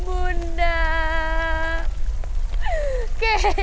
bisa tentu cepat sendiri